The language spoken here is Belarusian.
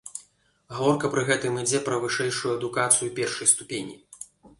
Гаворка пры гэтым ідзе пра вышэйшую адукацыю першай ступені.